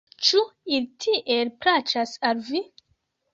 Ĉu ili tiel plaĉas al vi?